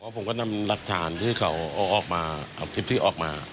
ผมก็นำหลักฐานที่เขาเอาออกมาเอาคลิปที่ออกมา